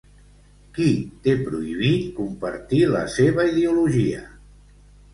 Qui té prohibit compartir la seva ideologia?